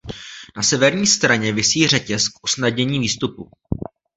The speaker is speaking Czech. Na severní straně visí řetěz k usnadnění výstupu.